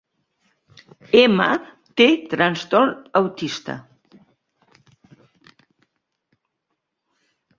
M té trastorn autista.